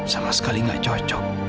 sama sekali gak cocok